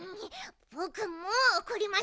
ぼくもうおこりました。